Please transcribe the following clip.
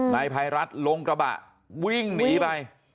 นายภัยรัฐลงกระบะวิ่งหนีไป